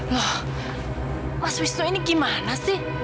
wah mas wisnu ini gimana sih